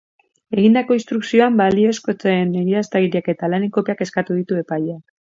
Egindako instrukzioan baliozkotzeen egiaztagiriak eta lanen kopiak eskatu ditu epaileak.